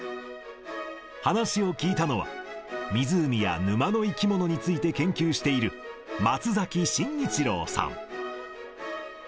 話を聞いたのは、湖や沼の生き物について研究している、松崎慎一郎さん。